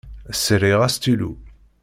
Sriɣ astilu.